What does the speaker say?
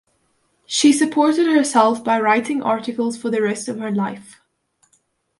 She supported herself by writing articles for the rest of her life.